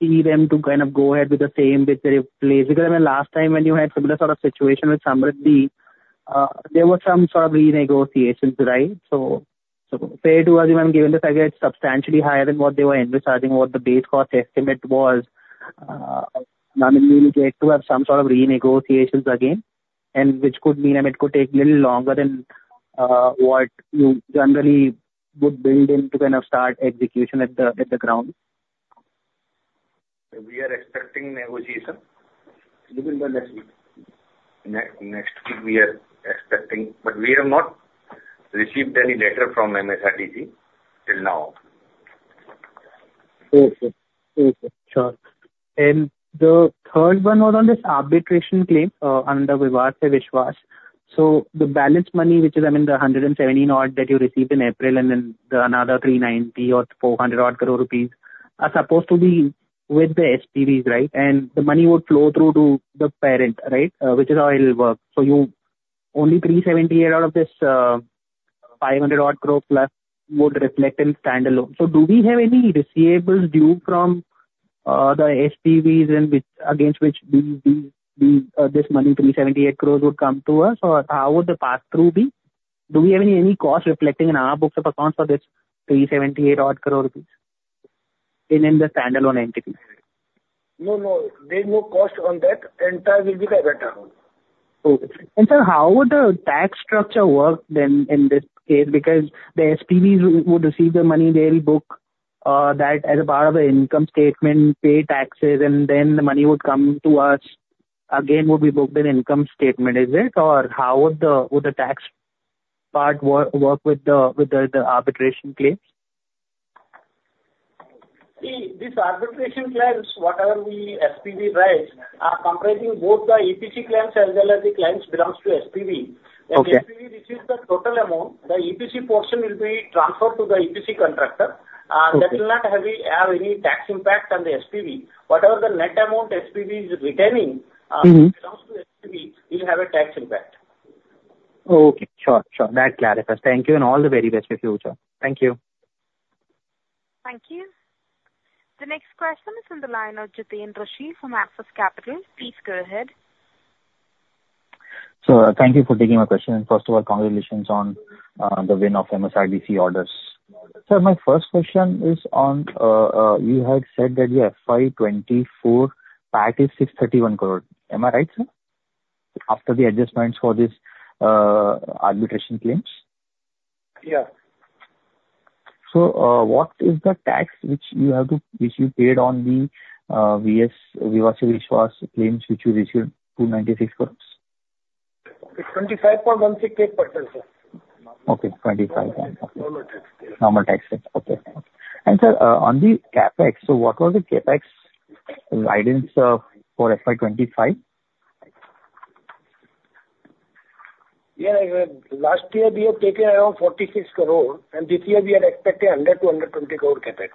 need them to kind of go ahead with the same bid there in place? Because, I mean, last time when you had similar sort of situation with Samruddhi, there were some sort of renegotiations, right? So, is it fair to assume, given this aggregate substantially higher than what they were envisaging, what the base cost estimate was? I mean, we get to have some sort of renegotiations again, and which could mean, I mean, it could take little longer than what you generally would build in to kind of start execution at the ground. We are expecting negotiation within the next week. Next week we are expecting, but we have not received any letter from MSRDC till now. Okay. Okay, sure. And the third one was on this arbitration claim under Vivad Se Vishwas. So the balance money, which is, I mean, the 170 odd crore that you received in April, and then another 390 or 400 odd crore, are supposed to be with the SPVs, right? And the money would flow through to the parent, right? Which is how it'll work. So only 378 out of this 500 odd crore plus would reflect in standalone. So do we have any receivables due from the SPVs and which, against which these this money, 378 crore would come to us? Or how would the path through be? Do we have any costs reflecting in our books of accounts for this 378 odd crore in the standalone entity? No, no, there's no cost on that, entire will be the better one. Okay. And sir, how would the tax structure work then, in this case? Because the SPVs would receive the money, they'll book that as a part of the income statement, pay taxes, and then the money would come to us, again, would be booked in income statement. Is it, or how would the tax part work with the arbitration claims? This arbitration claims, whatever the SPV rights are, comprising both the EPC claims as well as the claims belong to SPV. Okay. When SPV receives the total amount, the EPC portion will be transferred to the EPC contractor. Okay. That will not have any tax impact on the SPV. Whatever the net amount SPV is retaining, Mm-hmm. belongs to SPV, will have a tax impact. Okay, sure, sure. That clarifies. Thank you, and all the very best for future. Thank you. Thank you. The next question is on the line of Jiten Rushi from Axis Capital. Please go ahead. So, thank you for taking my question. First of all, congratulations on the win of MSRDC orders. Sir, my first question is on you had said that your FY 2024 PAT is INR 631 crore. Am I right, sir? After the adjustments for this arbitration claims. Yeah. What is the tax which you have to, which you paid on the VS, Vivad Se Vishwas claims, which you received 296 crore?... It's 25.168%, sir. Okay, twenty-five. Normal tax. Normal tax, okay. And sir, on the CapEx, so what was the CapEx guidance for FY 2025? Yeah, last year we have taken around 46 crore, and this year we are expecting 100 crore-120 crore CapEx.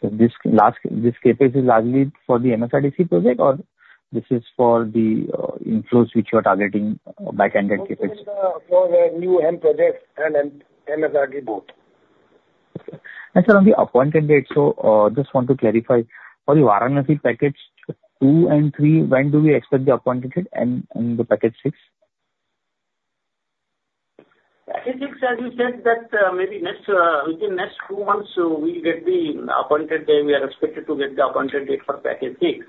So this last, this CapEx is largely for the MSRDC project, or this is for the inflows which you are targeting back-ended CapEx? For the new end projects and MSRDC both. Okay. And sir, on the appointed date, so, just want to clarify, for the Varanasi packages two and three, when do we expect the appointed date and, and the package six? Package 6, as you said, that maybe next within next two months, we'll get the Appointed Date. We are expected to get the Appointed Date for Package 6.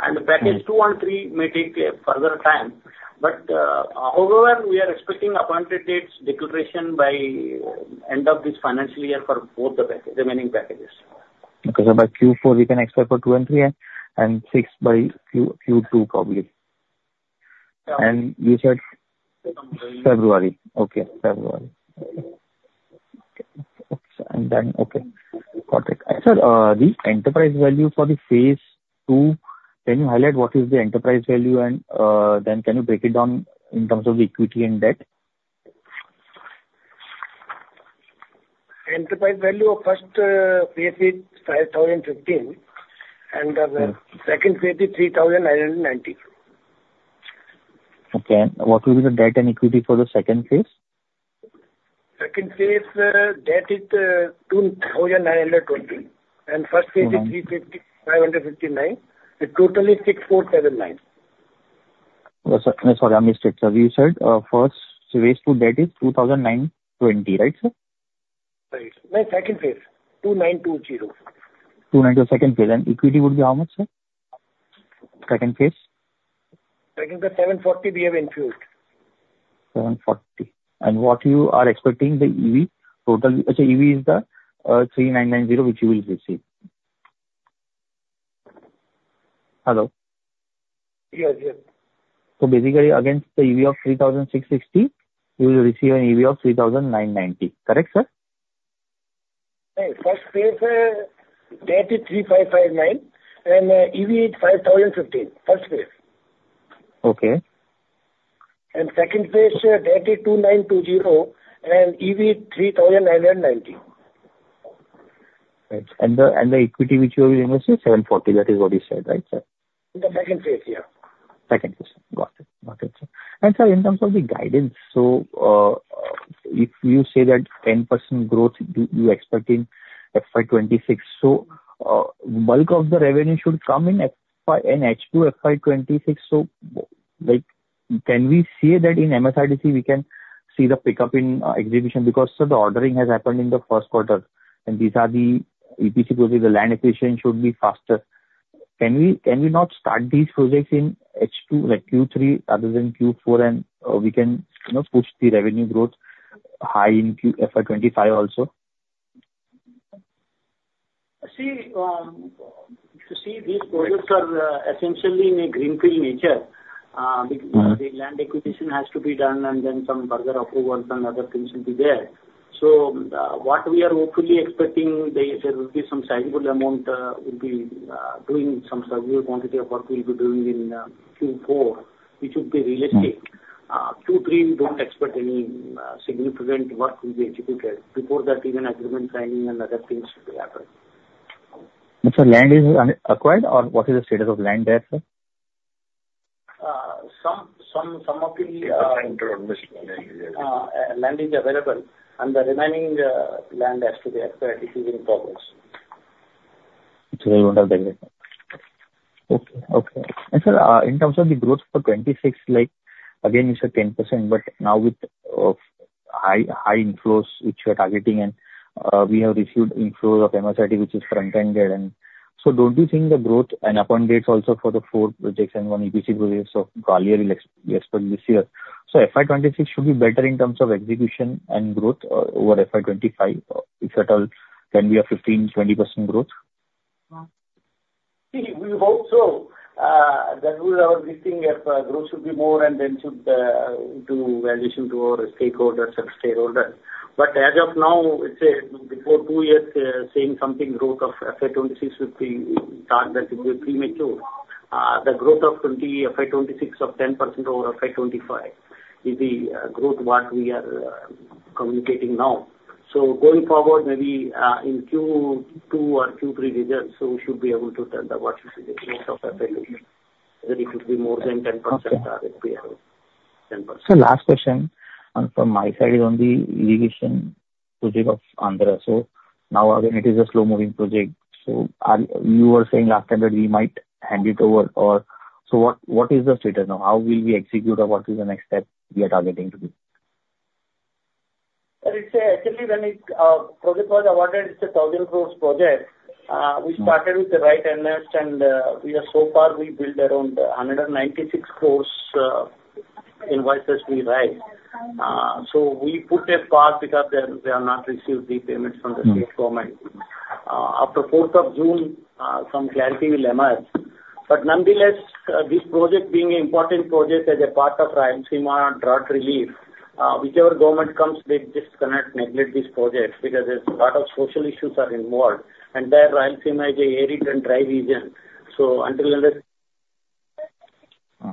Mm. Package 2 and 3 may take a further time. But, however, we are expecting appointed dates declaration by end of this financial year for both the package, the remaining packages. Okay, so by Q4, we can expect for two and three, and six by Q2, probably. Yeah. You said- February. February. Okay, February. Okay. And then, okay, got it. And sir, the enterprise value for the phase two, can you highlight what is the enterprise value and, then can you break it down in terms of the equity and debt? Enterprise value of first phase is 5,015. Mm. The second phase is 3,990. Okay, and what will be the debt and equity for the second phase? Second phase, debt is 2,920. Mm-hmm. First phase is 355, 159. The total is 6,479. Sir, sorry, I missed it, sir. You said, first phase two, debt is 2,920, right, sir? Right. No, second phase, 2920. 292, second phase. Equity would be how much, sir? Second phase. Second phase, 740 we have infused. 7:40. And what you are expecting the EV, total... Actually, EV is the 3,990, which you will receive. Hello? Yes, yes. Basically, against the EV of 3,660, you will receive an EV of 3,990. Correct, sir? No, first phase, debt is 3,559, and EV is 5,015, first phase. Okay. And second phase, debt is 2,920, and EV, 3,990. Right. And the equity which you are investing, 740, that is what you said, right, sir? In the second phase, yeah. Second phase. Got it. Got it, sir. And sir, in terms of the guidance, so, if you say that 10% growth, you, you expect in FY 2026, so, bulk of the revenue should come in FY 2026 in H2 FY 2026. So, like, can we say that in MSRDC, we can see the pickup in execution? Because, so the ordering has happened in the first quarter, and these are the EPC projects, the land acquisition should be faster. Can we, can we not start these projects in H2, like Q3, other than Q4, and, we can, you know, push the revenue growth high in Q4 FY 2025 also? See, you see, these projects are, essentially in a greenfield nature. Mm-hmm. The land acquisition has to be done, and then some further approval and other things will be there. So, what we are hopefully expecting, there will be some sizable amount, will be doing some sizable quantity of work we'll be doing in Q4, which would be realistic. Mm. Q3, we don't expect any significant work will be executed. Before that, even agreement signing and other things should be happen. Sir, land is unacquired, or what is the status of land there, sir? Some of the land is available, and the remaining land has to be acquired. It is in progress. So you don't have the... Okay. Okay. And sir, in terms of the growth for 26, like, again, you said 10%, but now with high inflows, which you are targeting, and we have received inflow of MSRDC, which is front-ended, and... So don't you think the growth and Appointed Dates also for the four projects and on EPC projects of Kalinjar will execute we expect this year? So FY 2026 should be better in terms of execution and growth over FY 2025. If at all, can we have 15%-20% growth? See, we hope so. That was our briefing, if growth should be more and then should do addition to our stakeholders and shareholder. But as of now, it's before 2 years, saying something growth of FY 2026 should be target, it will be premature. The growth of FY 2026 of 10% over FY 2025 is the growth what we are communicating now. So going forward, maybe in Q2 or Q3 results, so we should be able to tell that what is the growth of that value, whether it will be more than 10% target we have, 10%. Sir, last question, and from my side on the irrigation project of Andhra. So now again, it is a slow-moving project. So you were saying last time that we might hand it over or... So what, what is the status now? How will we execute, or what is the next step we are targeting to do? Sir, it's actually, when the project was awarded, it's 1,000 crore project. Mm. We started with the right earnest and, we are so far, we built around 196 crores, invoices we raise. So we put a part because they have, they have not received the payments from the state government. After fourth of June, some clarity will emerge. But nonetheless, this project being an important project as a part of Rayalaseema drought relief, whichever government comes, they just cannot neglect this project because there's a lot of social issues are involved, and there Rayalaseema is a arid and dry region. So until unless,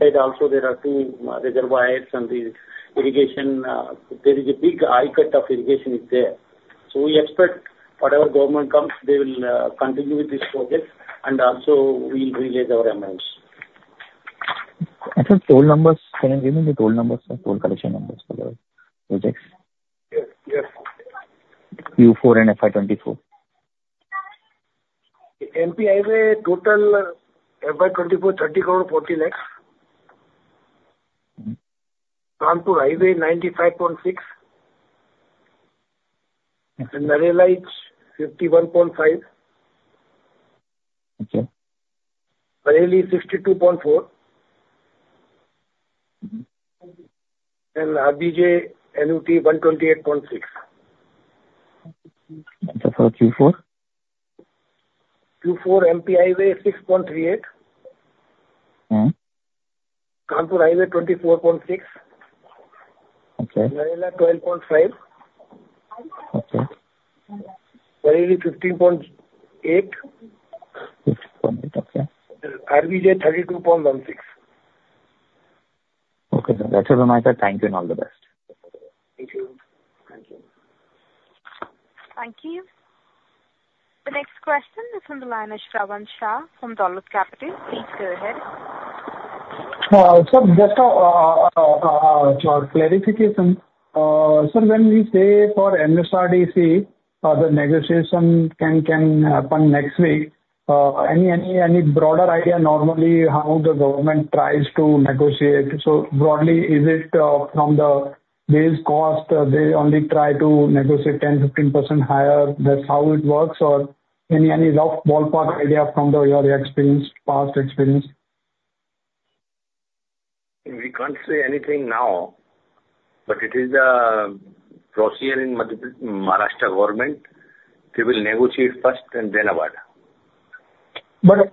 and also there are two, reservoirs and the irrigation, there is a big high cut of irrigation is there. So we expect whatever government comes, they will, continue with this project, and also we'll release our amounts. Actually, toll numbers. Can you give me the toll numbers or toll collection numbers for the projects? Yes, yes. Q4 and FY 2024. MP Highway total FY 2024, INR 30.4 crore. Mm-hmm. Kanpur Highway, 95.6. Okay. Bareilly, INR 51.5. Okay. Bareilly, INR 62.4. Mm-hmm. RBJ NUT, INR 128.6. For Q4? Q4 MP Highway, 6.38. Mm. Kanpur Highway, 24.6. Okay. Bareilly, INR 12.5. Okay. Bareilly, 15.8. 15.8, okay. RBJ, 32.16. Okay, sir. That's all on my side. Thank you and all the best. Thank you. Thank you. Thank you. The next question is from the line of Shravan Shah from Dolat Capital. Please go ahead. So just a clarification. Sir, when we say for MSRDC, the negotiation can happen next week, any broader idea normally how the government tries to negotiate? So broadly, is it from the base cost, they only try to negotiate 10%-15% higher? That's how it works, or any rough ballpark idea from the, your experience, past experience? We can't say anything now, but it is proceeding with the Maharashtra government. We will negotiate first and then award. But at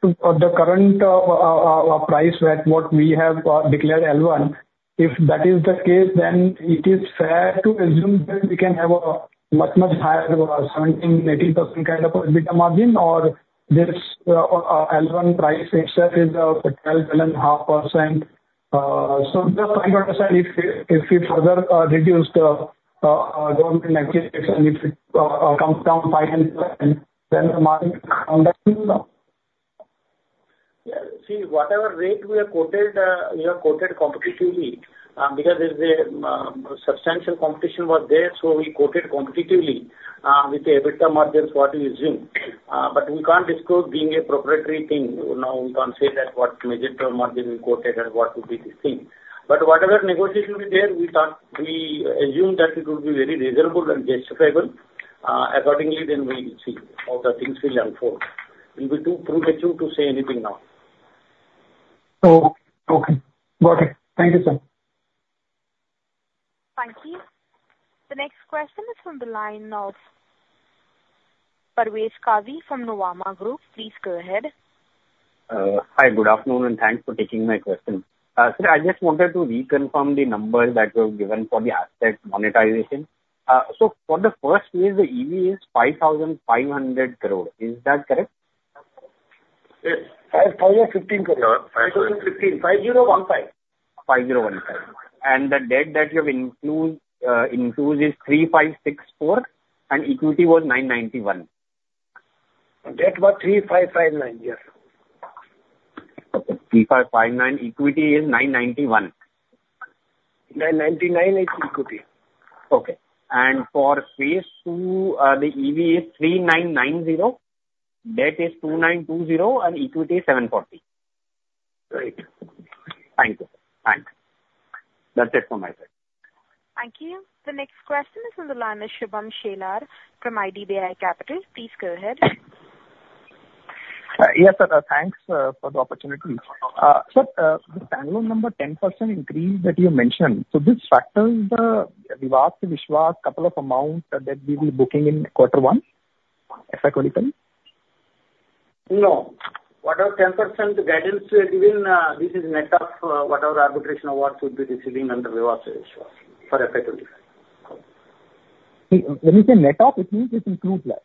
the current price at what we have declared L1, if that is the case, then it is fair to assume that we can have a much higher 17%-18% kind of a beta margin, or this L1 price itself is 12-12.5%. So just to understand, if you further reduce the government negotiation, if it comes down 5-7, then the margin on that, you know? Yeah. See, whatever rate we have quoted, we have quoted competitively, because there is a substantial competition was there, so we quoted competitively, with the EBITDA margins, what we assume. But we can't disclose being a proprietary thing. Now, we can't say that what marginal margin we quoted and what would be the thing. But whatever negotiation is there, we thought, we assume that it would be very reasonable and justifiable. Accordingly, then we will see how the things will unfold. It will be too premature to say anything now. Oh, okay. Got it. Thank you, sir. Thank you. The next question is from the line of Parvez Qazi from Nuvama Group. Please go ahead. Hi, good afternoon, and thanks for taking my question. Sir, I just wanted to reconfirm the numbers that you have given for the asset monetization. So, for the first phase, the EV is 5,500 crore. Is that correct? Yes. 5,015 crore. 5015. 5,015. And the debt that you have included is 3,564, and equity was 991. Debt was 3,559. Yes. Okay. 3,559, equity is 991. 999 is equity. Okay. And for phase two, the EV is 3,990, debt is 2,920, and equity is 740. Right. Thank you. Thanks. That's it from my side. Thank you. The next question is from the line of Shubham Shelar from IDBI Capital. Please go ahead. Yes, sir, thanks for the opportunity. Sir, the Bangalore number, 10% increase that you mentioned, so this factors the Vivad Se Vishwas couple of amounts that we'll be booking in quarter one, effectively? No. Whatever 10% guidance we are giving, this is net of whatever arbitration awards we'll be receiving under Vivad Se Vishwas for FY 2025. When you say net of, it means it includes that?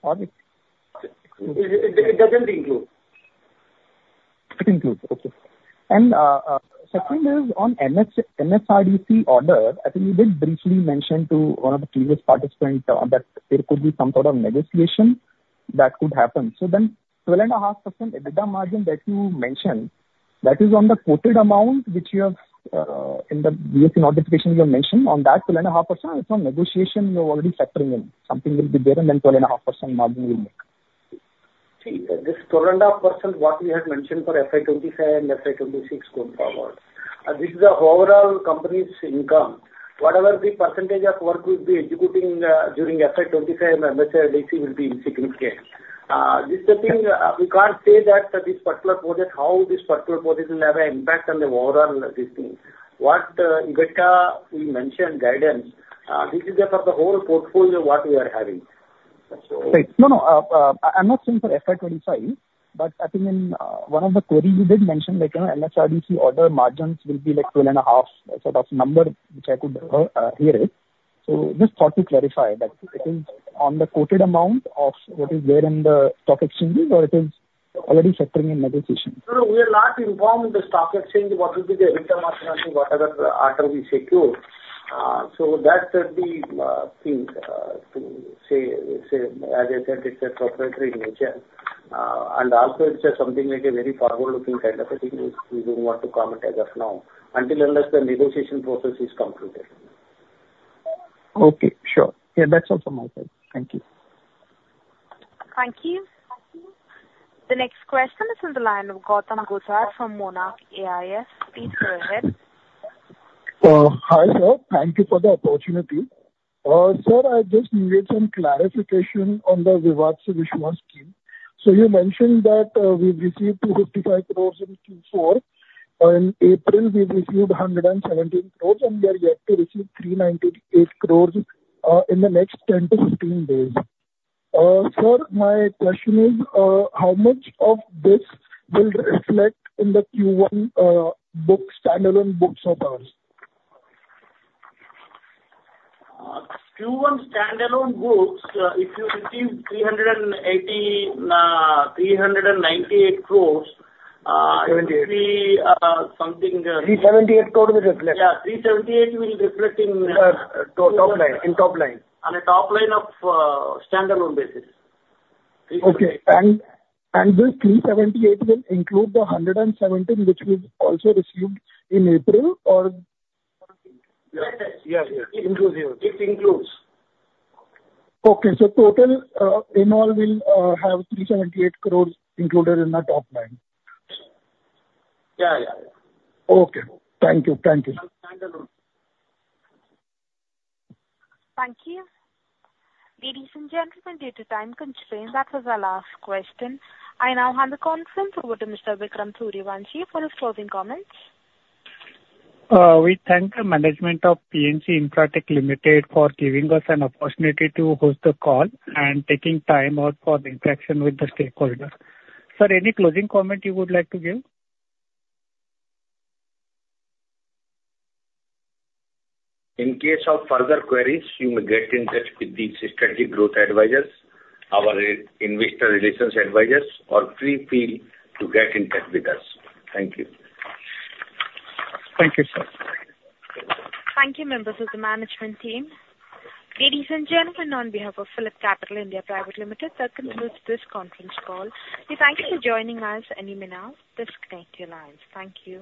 Or it- It doesn't include. It includes. Okay. And, second is on MSRDC order. I think you did briefly mention to one of the previous participants, that there could be some sort of negotiation that could happen. So then, 12.5% EBITDA margin that you mentioned, that is on the quoted amount, which you have, in the BF notification you have mentioned. On that 12.5%, it's not negotiation you're already factoring in. Something will be there, and then 12.5% margin will make. See, this 12.5%, what we have mentioned for FY 2025 and FY 2026 going forward, this is the overall company's income....whatever the percentage of work we'll be executing during FY 2025 MSRDC will be insignificant. This is the thing, we can't say that this particular project, how this particular project will have an impact on the overall business. What we mentioned guidance, this is just for the whole portfolio what we are having. Right. No, no, I'm not saying for FY 2025, but I think in, one of the queries you did mention, like, you know, MSRDC order margins will be like 12.5 sort of number, which I could, hear it. So just thought to clarify that it is on the quoted amount of what is there in the stock exchanges, or it is already factoring in negotiation? No, no, we are not informed the stock exchange what will be the EBITDA margin, whatever order we secure. So that the thing to say, as I said, it's proprietary in nature. And also it's something like a very forward-looking kind of a thing, which we don't want to comment as of now, until unless the negotiation process is completed. Okay, sure. Yeah, that's all from my side. Thank you. Thank you. The next question is on the line of Gautam Gulzar from Monarch Networth Capital. Please go ahead. Hi, sir. Thank you for the opportunity. Sir, I just need some clarification on the Vivad Se Vishwas scheme. So you mentioned that, we've received 255 crore in Q4, in April, we've received 117 crore, and we are yet to receive 398 crore, in the next 10-15 days. Sir, my question is, how much of this will reflect in the Q1 books, standalone books of ours? Q1 standalone books, if you receive 398 crore, 2028. - uh, something, uh- 378 crore will reflect. Yeah, 378 will reflect in, Top line, in top line. On a top line of, standalone basis. Okay. And, and this 378 will include the 117, which we've also received in April, or? Yeah. Yeah, yeah. It includes. Okay, so total, in all, we'll have 378 crore included in the top line? Yeah, yeah, yeah. Okay. Thank you. Thank you. standalone. Thank you. Ladies and gentlemen, due to time constraints, that was our last question. I now hand the conference over to Mr. Vikram Suryavanshi for his closing comments. We thank the management of PNC Infratech Limited for giving us an opportunity to host the call and taking time out for the interaction with the stakeholder. Sir, any closing comment you would like to give? In case of further queries, you may get in touch with the Strategic Growth Advisors, our investor relations advisors, or feel free to get in touch with us. Thank you. Thank you, sir. Thank you, members of the management team. Ladies and gentlemen, on behalf of PhillipCapital India Private Limited, that concludes this conference call. We thank you for joining us, and you may now disconnect your lines. Thank you.